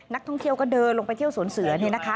นักท่องเที่ยวก็เดินลงไปเที่ยวสวนเสือ